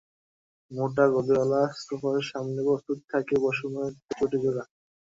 মোটা গদিওআলা সোফার সামনে প্রস্তুত থাকে পশমের চটিজোড়া।